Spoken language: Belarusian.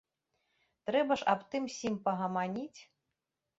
Трэба ж аб тым-сім пагаманіць.